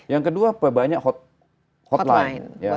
yang kedua perbanyak hotline